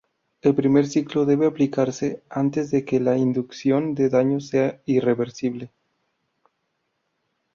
El primer ciclo debe aplicarse antes de que la inducción de daños sea irreversible.